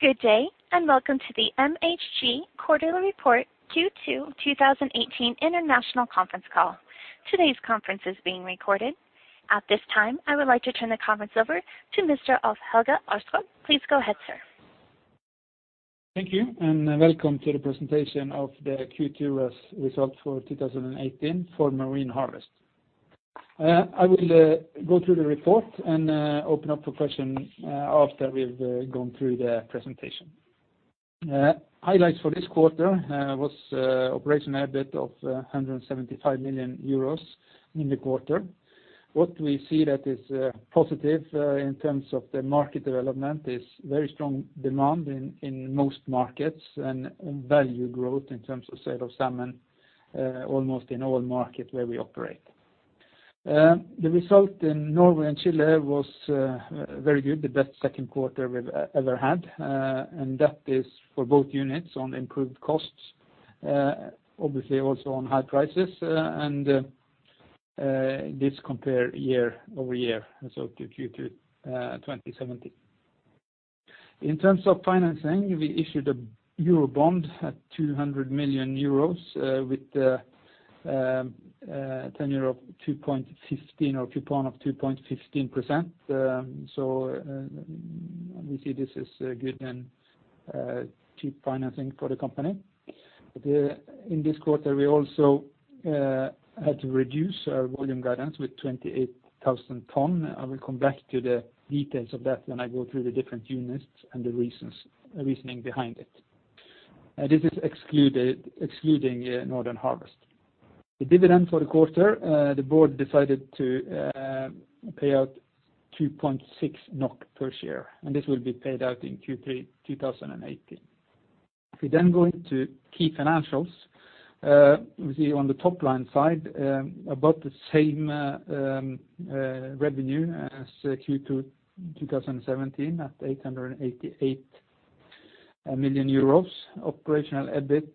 Good day, and welcome to the MHG quarterly report Q2 2018 international conference call. Today's conference is being recorded. At this time, I would like to turn the conference over to Mr. Alf-Helge Aarskog. Please go ahead, sir. Thank you, and welcome to the presentation of the Q2 result for 2018 for Marine Harvest. I will go through the report and open up for questions after we've gone through the presentation. Highlights for this quarter was operational EBIT of 175 million euros in the quarter. What we see that is positive in terms of the market development is very strong demand in most markets and value growth in terms of sale of salmon, almost in all markets where we operate. The result in Norway and Chile was very good, the best second quarter we've ever had. That is for both units on improved costs, obviously also on high prices, and this compared year-over-year, so to Q2 2017. In terms of financing, we issued a euro bond at 200 million euros with a tenure of 2.15 or coupon of 2.15%. We see this as good and cheap financing for the company. In this quarter, we also had to reduce our volume guidance with 28,000 tons. I will come back to the details of that when I go through the different units and the reasoning behind it. This is excluding Northern Harvest. The dividend for the quarter, the board decided to pay out 2.6 NOK per share, and this will be paid out in Q3 2018. We then go into key financials. We see on the top-line side about the same revenue as Q2 2017 at 888 million euros. Operational EBIT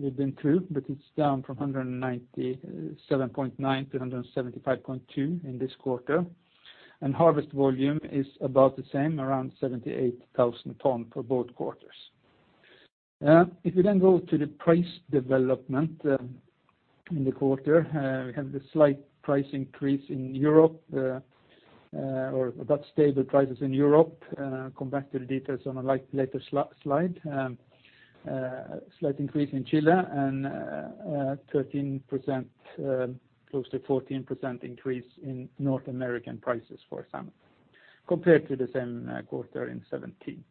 within, [inaudible] but it's down from 197.9 to 175.2 in this quarter. Harvest volume is about the same, around 78,000 tons for both quarters. If we go to the price development in the quarter, we have the slight price increase in Europe, or about stable prices in Europe. Come back to the details on a later slide. Slight increase in Chile 13%, close to 14% increase in North American prices for salmon compared to the same quarter in 2017.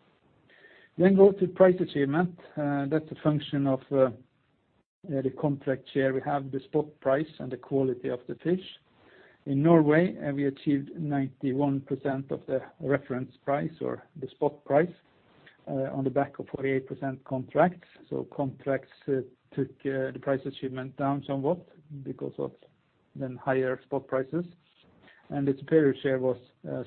Go to price achievement. That's a function of the contract share. We have the spot price and the quality of the fish. In Norway, we achieved 91% of the reference price or the spot price on the back of 48% contracts. Contracts took the price achievement down somewhat because of then higher spot prices. The superior share was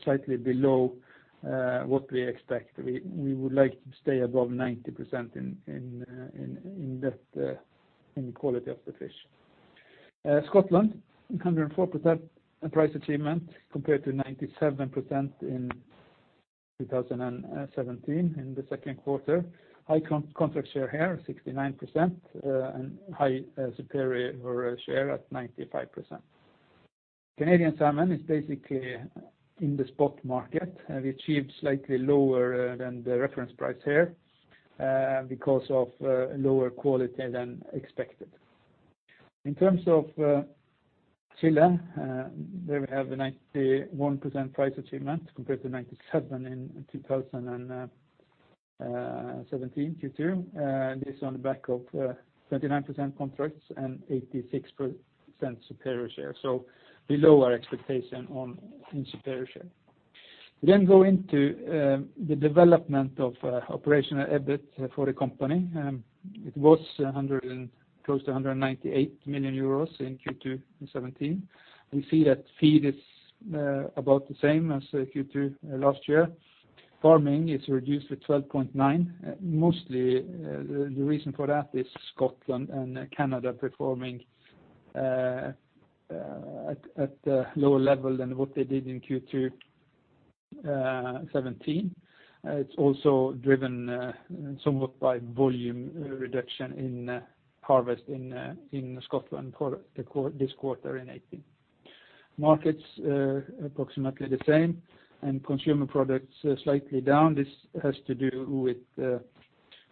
slightly below what we expect. We would like to stay above 90% in quality of the fish. Scotland, 104% price achievement compared to 97% in 2017 in the Q2. High contract share here, 69%, and high superior share at 95%. Canadian salmon is basically in the spot market. We achieved slightly lower than the reference price here because of lower quality than expected. In terms of Chile, there we have a 91% price achievement compared to 97% in 2017, Q2. This on the back of 29% contracts and 86% superior share. Below our expectation in superior share. We go into the development of operational EBIT for the company. It was close to 198 million euros in Q2 in 2017. We see that feed is about the same as Q2 last year. Farming is reduced with 12.9. Mostly, the reason for that is Scotland and Canada performing at a lower level than what they did in Q2 2017. It's also driven somewhat by volume reduction in harvest in Scotland for this quarter in 2018. Markets approximately the same and consumer products slightly down. This has to do with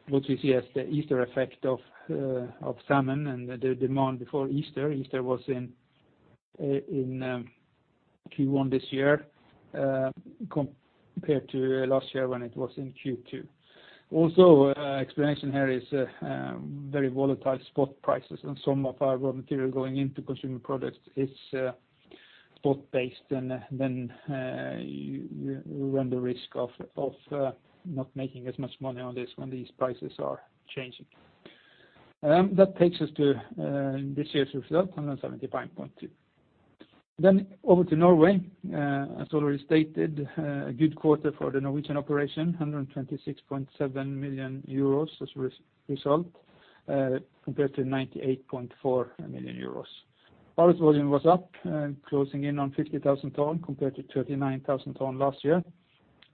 what we see as the Easter effect of Atlantic salmon and the demand before Easter. Easter was in Q1 this year compared to last year when it was in Q2. Explanation here is very volatile spot prices and some of our raw material going into consumer products is spot based and then you run the risk of not making as much money on this when these prices are changing. That takes us to this year's result, 175.2. Over to Norway. As already stated, a good quarter for the Norwegian operation, 126.7 million euros as result, compared to 98.4 million euros. Harvest volume was up, closing in on 50,000 tons compared to 39,000 tons last year.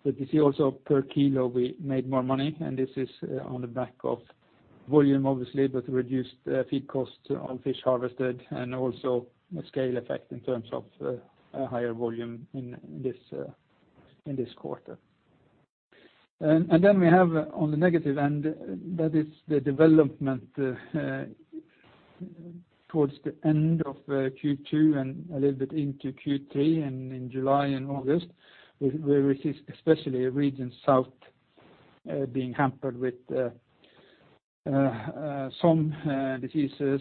You see also per kilo we made more money, and this is on the back of volume obviously, but reduced feed cost on fish harvested and also a scale effect in terms of higher volume in this quarter. Then we have on the negative end, that is the development towards the end of Q2 and a little bit into Q3 and in July and August, where we see especially region south being hampered with some diseases.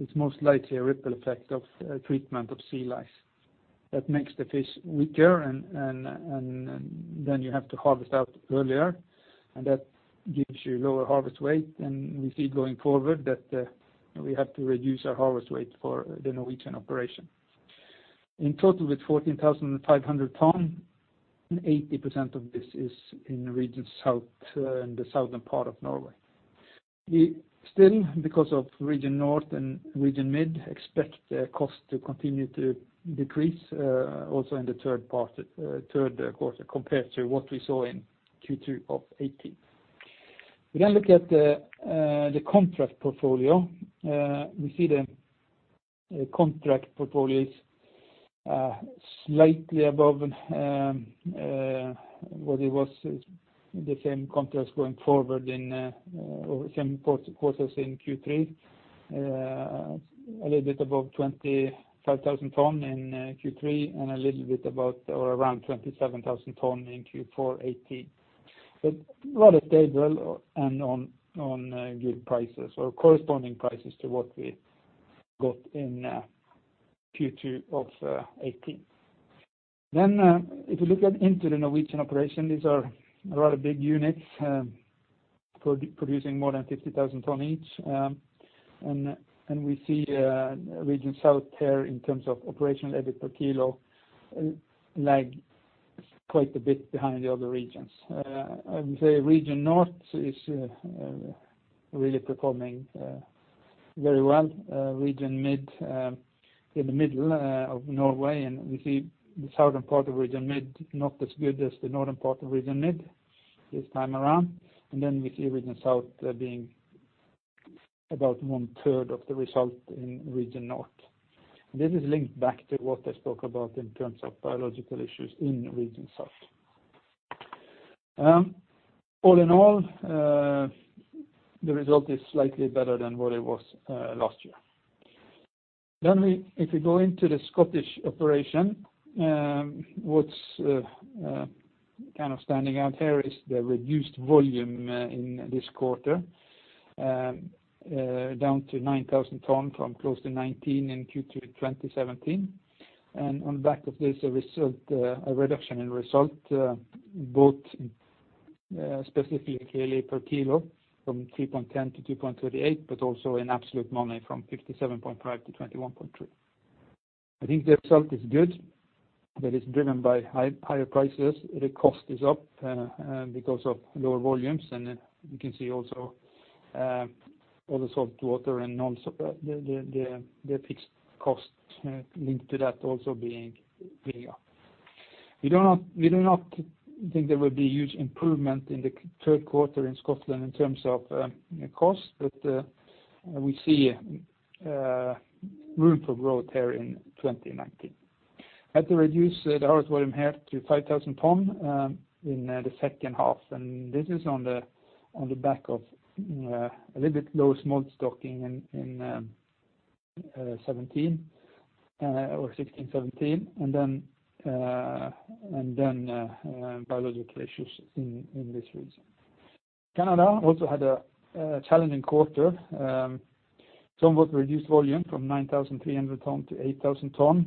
It's most likely a ripple effect of treatment of sea lice that makes the fish weaker and then you have to harvest out earlier, and that gives you lower harvest weight. We see going forward that we have to reduce our harvest weight for the Norwegian operation. In total with 14,500 tons, 80% of this is in region south, in the southern part of Norway. We still, because of region north and region mid, expect cost to continue to decrease, also in the third quarter compared to what we saw in Q2 2018. We look at the contract portfolio. We see the contract portfolio is slightly above what it was the same contracts going forward or same quarters in Q3. A little bit above 25,000 tons in Q3 and a little bit above or around 27,000 tons in Q4 2018. Rather stable and on good prices or corresponding prices to what we got in Q2 2018. If you look into the Norwegian operation, these are rather big units producing more than 50,000 tons each. We see region south here in terms of operational EBIT per kilo lag quite a bit behind the other regions. The region north is really performing very well. Region mid in the middle of Norway. We see the southern part of region mid not as good as the northern part of region mid this time around. We see region south being about one third of the result in region north. This is linked back to what I spoke about in terms of biological issues in region south. All in all, the result is slightly better than what it was last year. If we go into the Scottish operation, what's kind of standing out here is the reduced volume in this quarter, down to 9,000 tons from close to 19,000 tons in Q2 2017. On back of this, a reduction in result both specifically per kilo from 3.10 to 2.38, but also in absolute money from 57.5 million to 21.3 million. I think the result is good, but it's driven by higher prices. The cost is up because of lower volumes, and you can see also other saltwater and the fixed cost linked to that also being up. We do not think there will be huge improvement in the Q3 in Scotland in terms of cost, but we see room for growth there in 2019. Had to reduce the harvest volume here to 5,000 tons in the H2, and this is on the back of a little bit low smolt stocking in 2017 or 2016, 2017, and then biological issues in this region. Canada also had a challenging quarter. Somewhat reduced volume from 9,300 tons to 8,000 tons,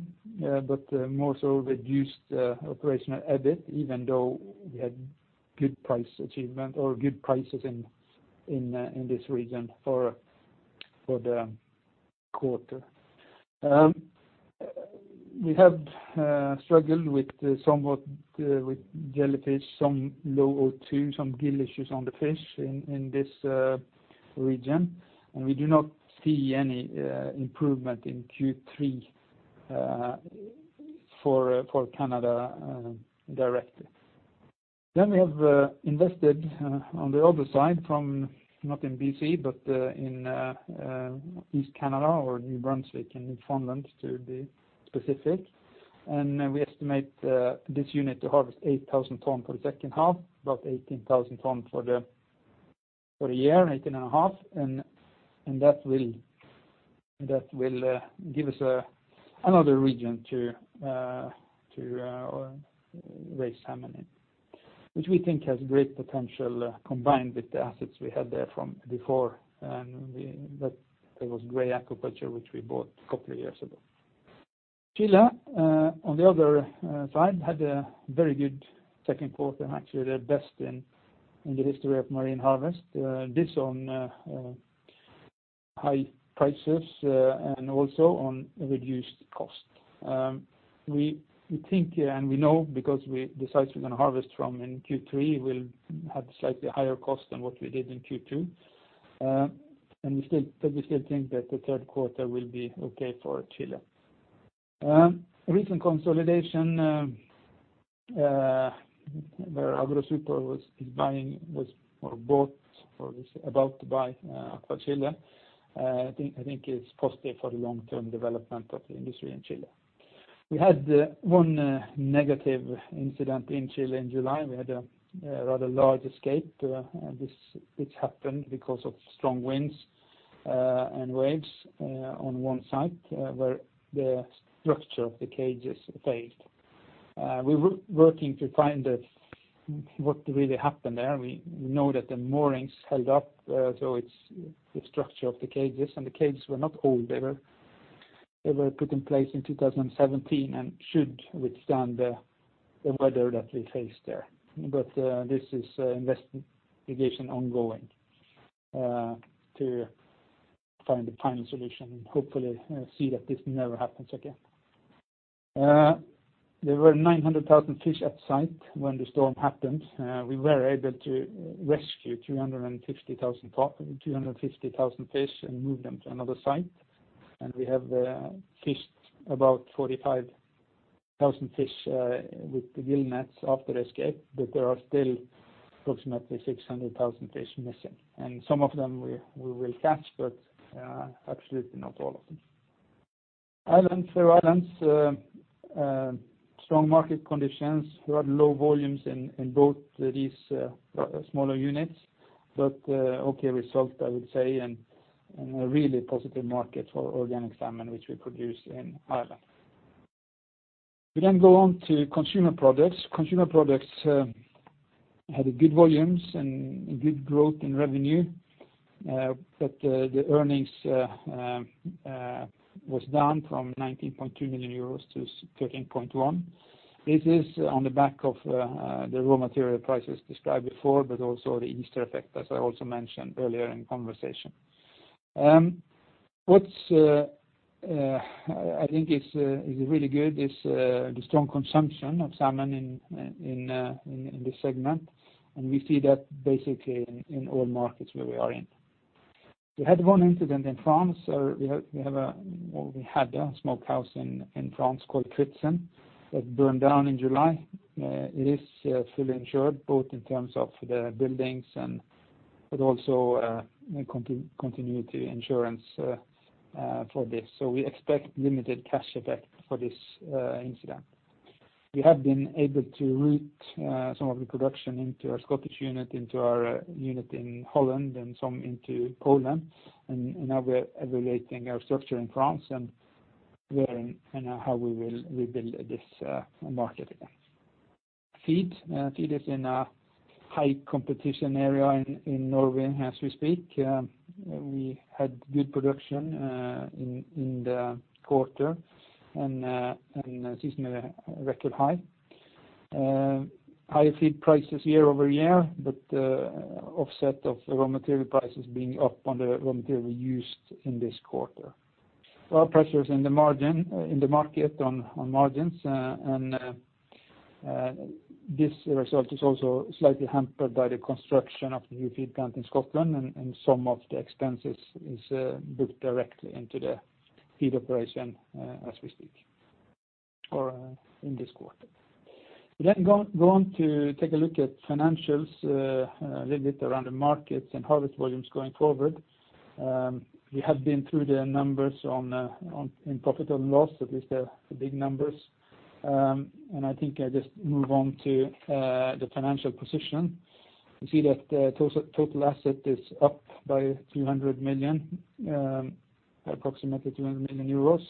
but more so reduced operational EBIT, even though we had good price achievement or good prices in this region for the quarter. We have struggled somewhat with jellyfish, some low O2, some gill issues on the fish in this region. We do not see any improvement in Q3 for Canada directly. We have invested on the other side from not in BC, but in East Canada or New Brunswick and Newfoundland to be specific. We estimate this unit to harvest 8,000 tons for the H2, about 18,000 tons for the year, 18.5. That will give us another region to raise salmon in. Which we think has great potential combined with the assets we had there from before. That was Gray Aquaculture, which we bought a couple of years ago. Chile, on the other side, had a very good Q2, actually the best in the history of Mowi [inaudible] this on high prices and also on reduced cost. We think and we know because the sites we're going to harvest from in Q3 will have slightly higher cost than what we did in Q2. We still think that the Q3 will be okay for Chile. Recent consolidation where Agrosuper was bought or is about to buy AquaChile, I think it's positive for the long-term development of the industry in Chile. We had one negative incident in Chile in July. We had a rather large escape, which happened because of strong winds and waves on one site where the structure of the cages failed. We're working to find what really happened there. We know that the moorings held up, it's the structure of the cages. The cages were not old. They were put in place in 2017 and should withstand the weather that we faced there. This is investigation ongoing to find a final solution and hopefully see that this never happens again. There were 900,000 fish at site when the storm happened. We were able to rescue 250,000 fish and move them to another site, and we have fished about 45,000 fish with the gill nets after escape, but there are still approximately 600,000 fish missing. Some of them we will catch, but absolutely not all of them. Ireland, Faroe Islands, strong market conditions. We had low volumes in both these smaller units, but okay result, I would say, and a really positive market for organic salmon, which we produce in Ireland. We go on to consumer products. Consumer products had good volumes and good growth in revenue, but the earnings was down from 19.2 million euros to 13.1 million. This is on the back of the raw material prices described before, but also the Easter effect, as I also mentioned earlier in conversation. What I think is really good is the strong consumption of salmon in this segment, and we see that basically in all markets where we are in. We had one incident in France. We had a smokehouse in France called Kritsen that burned down in July. It is fully insured both in terms of the buildings but also continuity insurance for this. We expect limited cash effect for this incident. We have been able to route some of the production into our Scottish unit, into our unit in Holland, and some into Poland, and now we're evaluating our structure in France and where and how we will rebuild this market again. Feed. Feed is in a high-competition area in Norway as we speak. We had good production in the quarter and a seasonally record high. Higher feed prices year-over-year, but offset of raw material prices being up on the raw material used in this quarter. Well, pressures in the market on margins and this result is also slightly hampered by the construction of the new feed plant in Scotland and some of the expenses is booked directly into the feed operation as we speak or in this quarter. We go on to take a look at financials a little bit around the markets and harvest volumes going forward. We have been through the numbers in profit and loss, at least the big numbers. I think I just move on to the financial position. We see that total asset is up by approximately 300 million euros.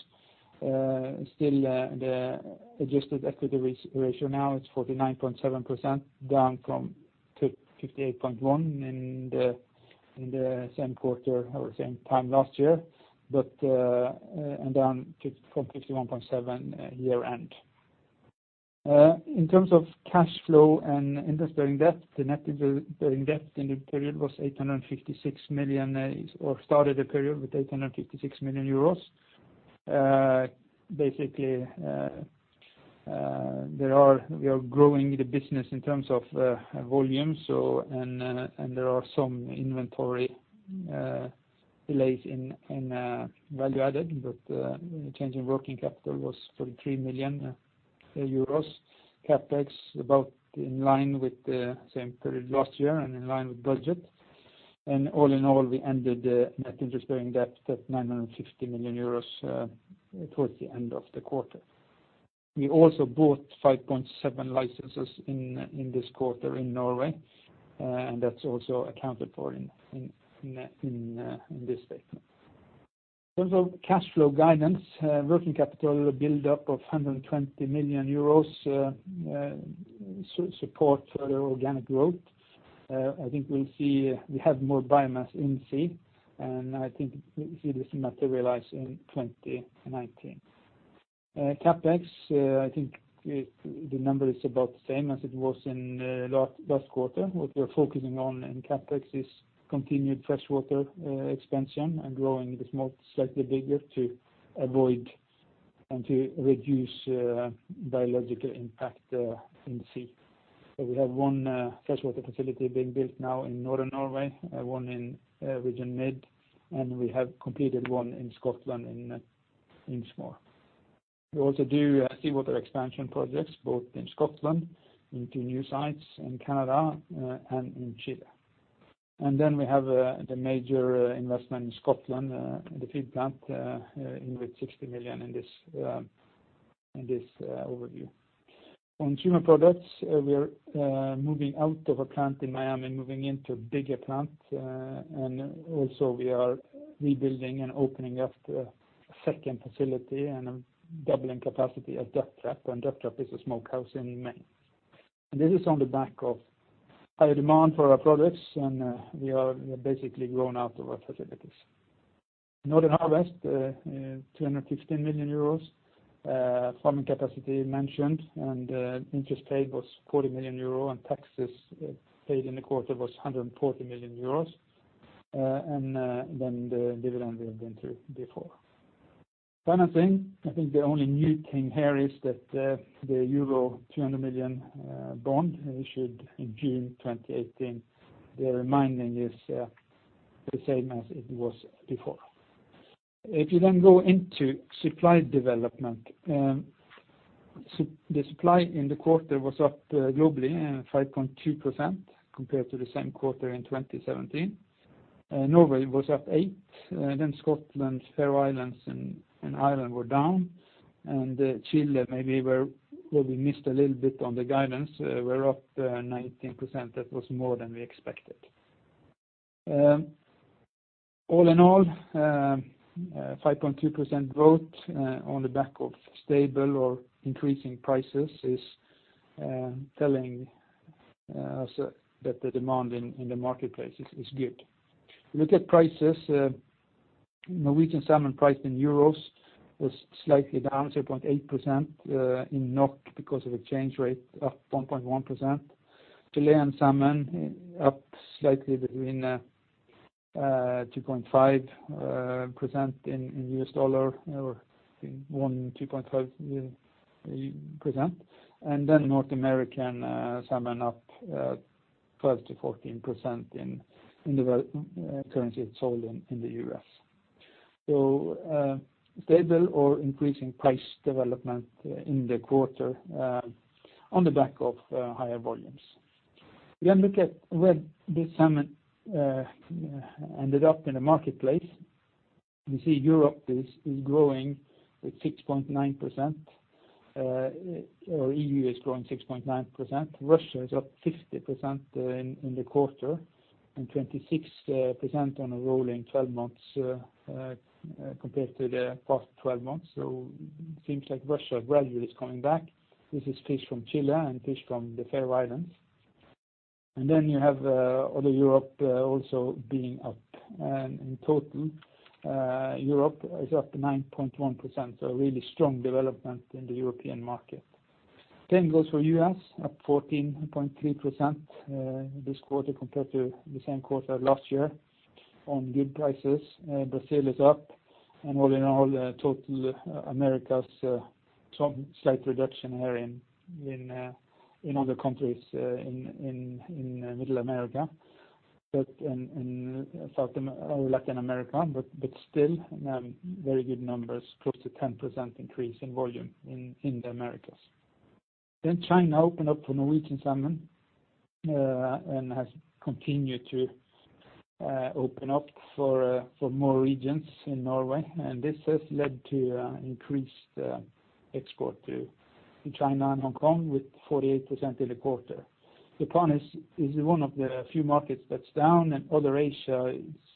Still the adjusted equity ratio now is 49.7%, down from 58.1% in the same quarter or same time last year and down from 51.7% year-end. In terms of cash flow and interest-bearing debt, the net interest-bearing debt started the period with 856 million euros. Basically, we are growing the business in terms of volume and there are some inventory delays in value-added, but change in working capital was 43 million euros. CapEx about in line with the same period last year and in line with budget. All in all, we ended the net interest-bearing debt at 950 million euros towards the end of the quarter. We also bought 5.7 licenses in this quarter in Norway, and that's also accounted for in this statement. In terms of cash flow guidance, working capital build-up of 120 million euros support further organic growth. I think we have more biomass in sea, and I think we see this materialize in 2019. CapEx, I think the number is about the same as it was in last quarter. What we're focusing on in CapEx is continued freshwater expansion and growing the smolt slightly bigger to avoid and to reduce biological impact in sea. We have one freshwater facility being built now in Northern Norway, one in Region Mid, and we have completed one in Scotland in Inchmore. We also do seawater expansion projects both in Scotland into new sites, in Canada, and in Chile. We have the major investment in Scotland, the feed plant, in with 60 million in this overview. On consumer products, we're moving out of a plant in Miami, moving into a bigger plant. We are rebuilding and opening up the second facility and doubling capacity at Ducktrap. Ducktrap is a smokehouse in Maine. This is on the back of high demand for our products, and we have basically grown out of our facilities. Northern Harvest, 215 million euros. Farming capacity mentioned, interest paid was 40 million euro, taxes paid in the quarter was 140 million euros. The dividend we have been through before. Financing, I think the only new thing here is that the euro 300 million bond issued in June 2018, the remaining is the same as it was before. If you then go into supply development. The supply in the quarter was up globally 5.2% compared to the same quarter in 2017. Norway was up eight, then Scotland, Faroe Islands, and Ireland were down. Chile maybe where we missed a little bit on the guidance, were up 19%. That was more than we expected. All in all, 5.2% growth on the back of stable or increasing prices is telling us that the demand in the marketplace is good. If you look at prices, Norwegian salmon priced in EUR was slightly down 0.8%, in NOK because of exchange rate, up 1.1%. Chilean salmon up slightly between 2.5% in $ or 1%, 2.5%. North American salmon up 12%-14% in the currency it's sold in the U.S. Stable or increasing price development in the quarter on the back of higher volumes. If you then look at where the salmon ended up in the marketplace, you see Europe is growing at 6.9%, or EU is growing 6.9%. Russia is up 50% in the quarter and 26% on a rolling 12 months compared to the past 12 months. Seems like Russia gradually is coming back. This is fish from Chile and fish from the Faroe Islands. You have other Europe also being up. In total, Europe is up 9.1%, so a really strong development in the European market. Same goes for U.S., up 14.3% this quarter compared to the same quarter last year on good prices. Brazil is up. All in all, total Americas, some slight reduction here in other countries in Middle America and Latin America, but still very good numbers, close to 10% increase in volume in the Americas. China opened up for Norwegian salmon and has continued to open up for more regions in Norway. This has led to increased export to China and Hong Kong with 48% in the quarter. Japan is one of the few markets that's down.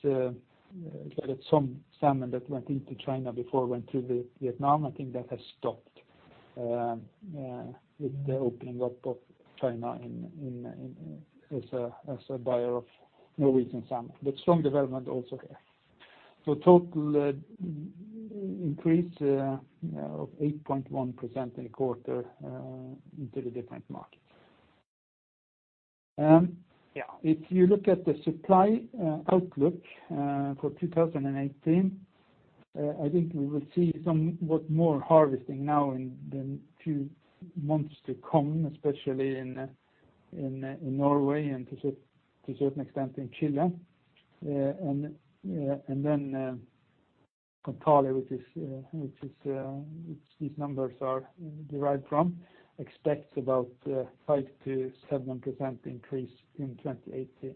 Some salmon that went into China before went to Vietnam. I think that has stopped with the opening up of China as a buyer of Norwegian salmon. Strong development also here. Total increase of 8.1% in the quarter into the different markets. If you look at the supply outlook for 2018, I think we will see somewhat more harvesting now in the few months to come, especially in Norway and to a certain extent in Chile. Kontali, which these numbers are derived from, expects about 5%-7% increase in 2018.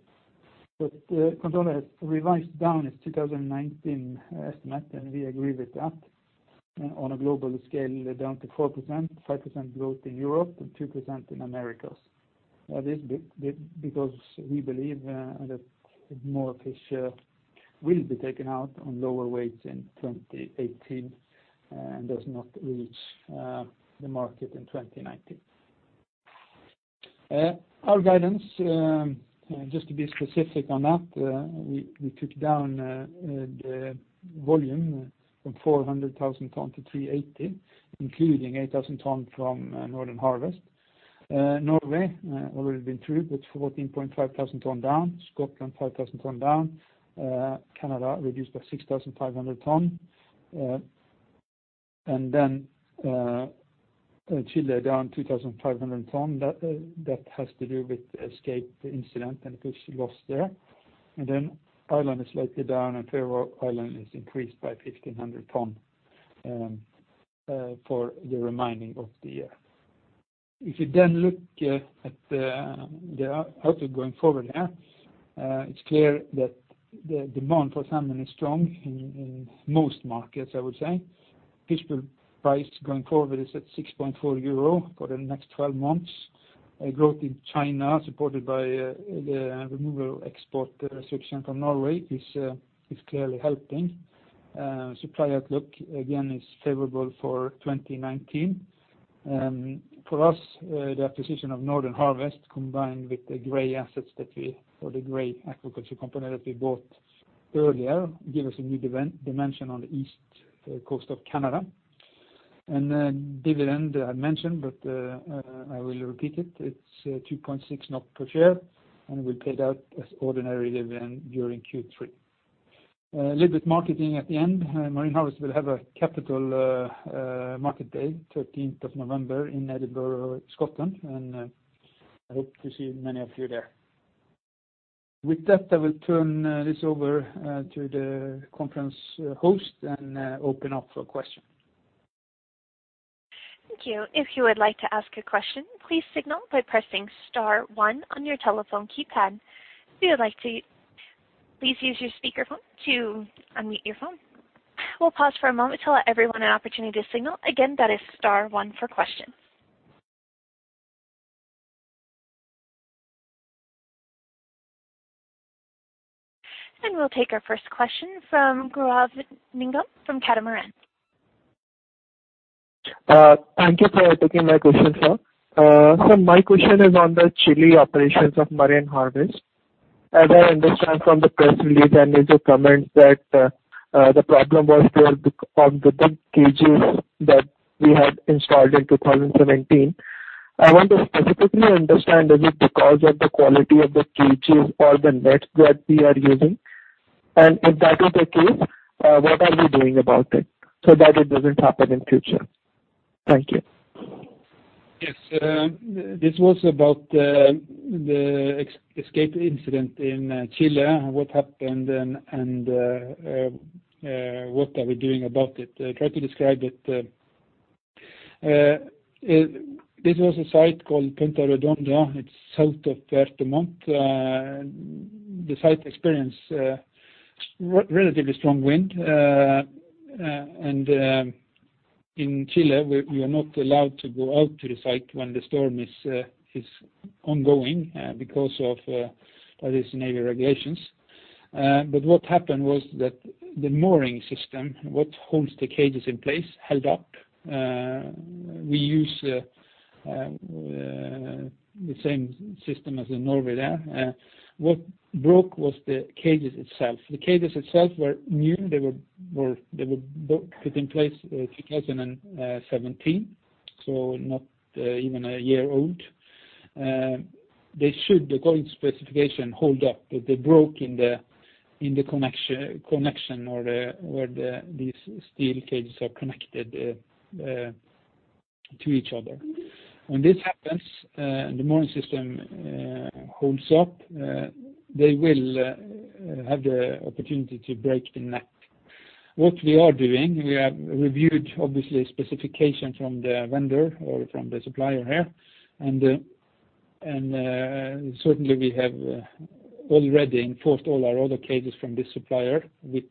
Kontali revised down its 2019 estimate, and we agree with that. On a global scale, they're down to 4%-5% growth in Europe and 2% in Americas. That is because we believe that more fish will be taken out on lower weights in 2018 and does not reach the market in 2019. Our guidance, just to be specific on that, we took down the volume from 400,000 tons to 380,000 tons, including 8,000 tons from Northern Harvest. Norway, already been through, but 14,500 tons down. Scotland 5,000 tons down. Canada reduced by 6,500 tons. Chile down 2,500 tons. That has to do with escape incident and fish lost there. Ireland is slightly down and Faroe Islands is increased by 1,500 tons for the remaining of the year. If you then look at the output going forward here, it's clear that the demand for salmon is strong in most markets, I would say. Fish price going forward is at 6.4 euro for the next 12 months. Growth in China supported by the removal export restriction from Norway is clearly helping. Supply outlook again is favorable for 2019. For us, the acquisition of Northern Harvest combined with the Gray assets that we or the Gray Aquaculture company that we bought earlier give us a new dimension on the east coast of Canada. Then dividend, I mentioned, but I will repeat it. It's 2.6 per share and will be paid out as ordinary dividend during Q3. A little bit marketing at the end. Marine Harvest will have a capital market day 13th of November in Edinburgh, Scotland. I hope to see many of you there. With that, I will turn this over to the conference host and open up for question. Thank you. If you would like to ask a question, please signal by pressing star one on your telephone keypad. If you would like to, please use your speaker phone to unmute your phone. We'll pause for a moment to allow everyone an opportunity to signal. Again, that is star one for questions. We'll take our first question from Gaurav Nigam from Catamaran. Thank you for taking my question, sir. My question is on the Chile operations of Mowi. As I understand from the press release and in the comments that the problem was due on the cages that we had installed in 2017. I want to specifically understand, is it because of the quality of the cages or the nets that we are using? If that is the case, what are we doing about it so that it doesn't happen in future? Thank you. Yes. This was about the escape incident in Chile, what happened and what are we doing about it. Try to describe it. This was a site called Punta Redonda. It's south of Puerto Montt. In Chile, we are not allowed to go out to the site when the storm is ongoing because of these navy regulations. What happened was that the mooring system, what holds the cages in place, held up. We use the same system as in Norway there. What broke was the cages itself. The cages itself were new. They were put in place 2017, so not even a year old. They should, according to specification, hold up. They broke in the connection or where these steel cages are connected to each other. When this happens, the mooring system holds up. They will have the opportunity to break the net. What we are doing, we have reviewed obviously specification from the vendor or from the supplier here. Certainly we have already enforced all our other cages from this supplier with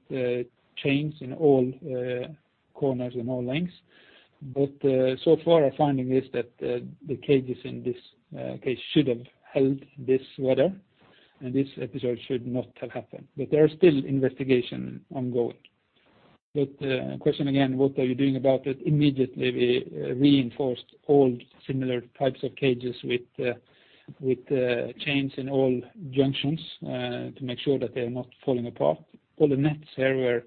chains in all corners and all lengths. So far our finding is that the cages in this case should have held this weather and this episode should not have happened. There are still investigation ongoing. The question again, what are you doing about it? Immediately we reinforced all similar types of cages with chains in all junctions, to make sure that they are not falling apart. All the nets here were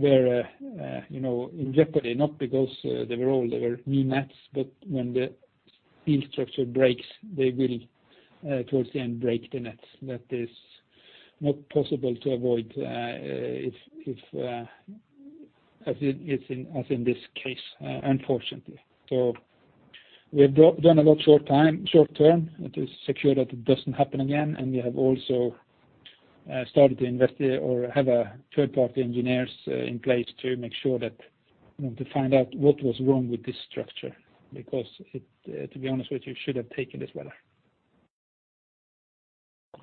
in jeopardy, not because they were old, they were new nets. When the steel structure breaks, they will towards the end break the nets. That is not possible to avoid as in this case, unfortunately. We have done a lot short term to secure that it doesn't happen again. We have also started to investigate or have third-party engineers in place to find out what was wrong with this structure because it, to be honest with you, should have taken this weather.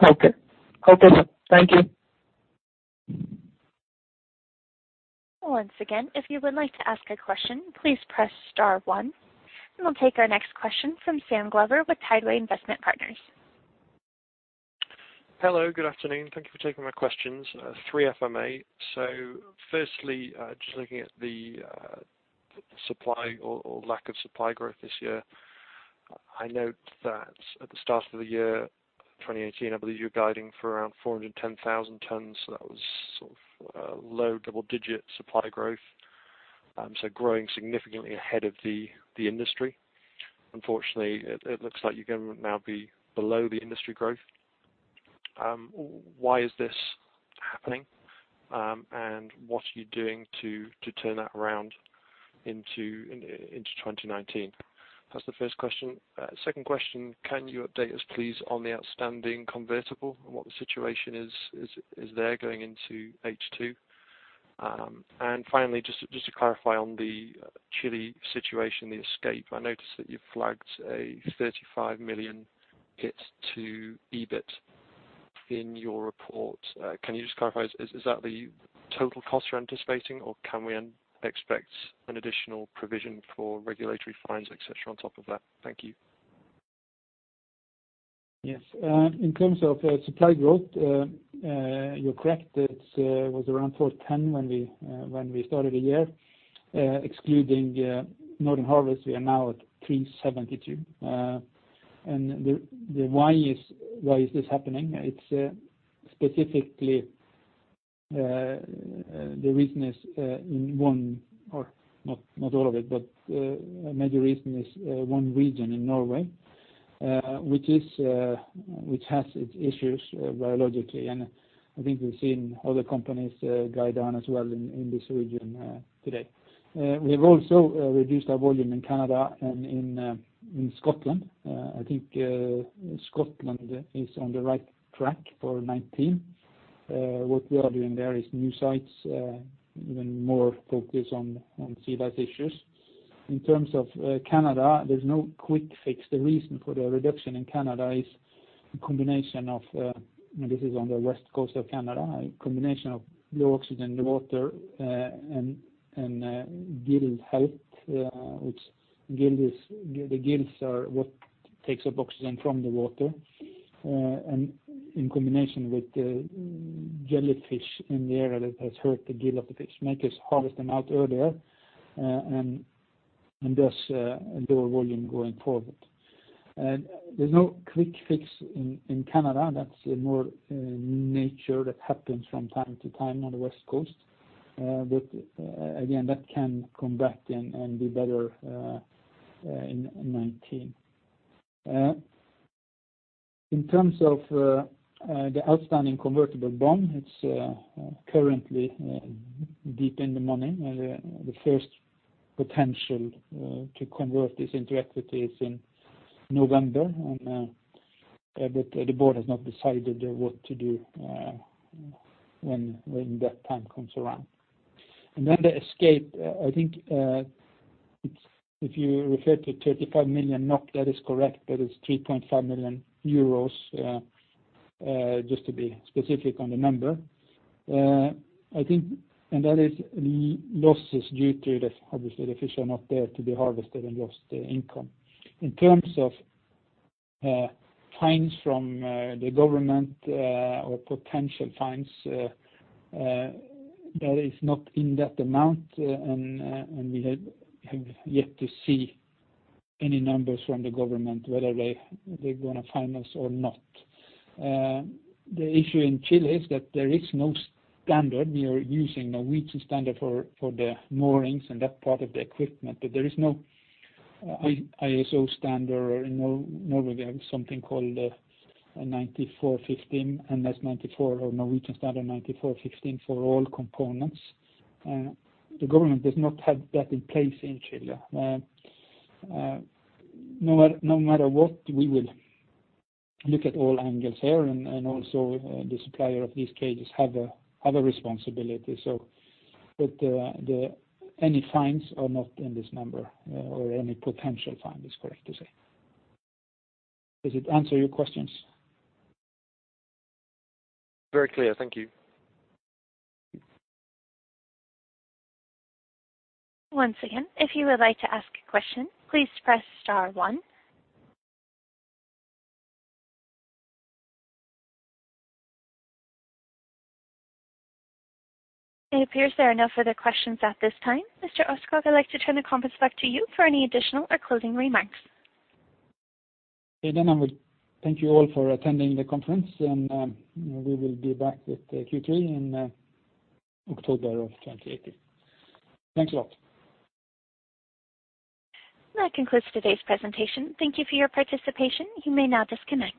Okay. Thank you. Once again, if you would like to ask a question, please press star one. We'll take our next question from Sam Glover with Tideway Investment Partners. Hello, good afternoon. Thank you for taking my questions, three for me. Firstly, just looking at the supply or lack of supply growth this year. I note that at the start of the year 2018, I believe you were guiding for around 410,000 tons. That was sort of low double-digit supply growth. Growing significantly ahead of the industry. Unfortunately, it looks like you're going to now be below the industry growth. Why is this happening? What are you doing to turn that around into 2019? That's the first question. Second question, can you update us, please, on the outstanding convertible and what the situation is there going into H2? Finally, just to clarify on the Chile situation, the escape, I noticed that you flagged a 35 million hit to EBIT in your report. Can you just clarify, is that the total cost you're anticipating, or can we expect an additional provision for regulatory fines, et cetera, on top of that? Thank you. Yes. In terms of supply growth, you are correct. It was around 410 when we started the year. Excluding Northern Harvest, we are now at 372. Why is this happening? Specifically, the reason is not all of it, but a major reason is one region in Norway, which has its issues biologically. I think we have seen other companies guide down as well in this region today. We have also reduced our volume in Canada and in Scotland. I think Scotland is on the right track for 2019. What we are doing there is new sites, even more focus on sea lice issues. In terms of Canada, there is no quick fix. The reason for the reduction in Canada is a combination of, this is on the west coast of Canada, a combination of low oxygen in the water, and gill health. The gills are what takes up oxygen from the water. In combination with the jellyfish in the area, that has hurt the gill of the fish, make us harvest them out earlier, and thus lower volume going forward. There's no quick fix in Canada. That's more nature that happens from time to time on the west coast. Again, that can come back and be better in 2019. In terms of the outstanding convertible bond, it's currently deep in the money. The first potential to convert this into equity is in November, the board has not decided what to do when that time comes around. The escape. I think if you refer to 35 million NOK, that is correct, that is 3.5 million euros, just to be specific on the number. That is losses due to, obviously, the fish are not there to be harvested and lost the income. In terms of fines from the government or potential fines, that is not in that amount, and we have yet to see any numbers from the government, whether they're going to fine us or not. The issue in Chile is that there is no standard. We are using a weakened standard for the moorings and that part of the equipment. There is no ISO standard. In Norway, we have something called NS 9415, NS 9415 or Norwegian Standard 9415 for all components. The government does not have that in place in Chile. No matter what, we will look at all angles here, and also the supplier of these cages have a responsibility. Any fines are not in this number, or any potential fine is correct to say. Does it answer your questions? Very clear. Thank you. Once again, if you would like to ask a question, please press star one. It appears there are no further questions at this time. Mr. Aarskog, I'd like to turn the conference back to you for any additional or closing remarks. Okay, I will thank you all for attending the conference. We will be back with Q3 in October of 2018. Thanks a lot. That concludes today's presentation. Thank you for your participation. You may now disconnect.